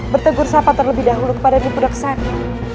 bertegur siapa terlebih dahulu kepada dipudek saya